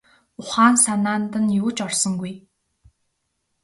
Ухаан санаанд нь юу ч орсонгүй.